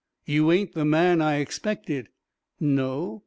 "You ain't the man I expected." "No?"